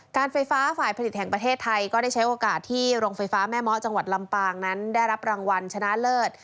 การไฟฟ้าฝ่ายผลิตแห่งประเทศไทยก็ได้ใช้โอกาสที่โรงไฟฟ้าแม่เมาะจังหวัดลำปางนั้นได้รับรางวัลชนะเลิศ